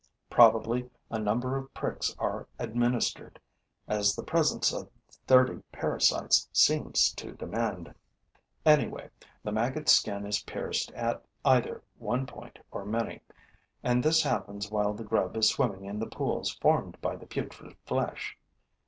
Probably, a number of pricks are administered, as the presence of thirty parasites seems to demand. Anyway, the maggot's skin is pierced at either one point or many; and this happens while the grub is swimming in the pools formed by the putrid flesh.